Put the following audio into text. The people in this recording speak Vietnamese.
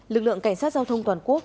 lực lượng cảnh sát giao thông toàn quốc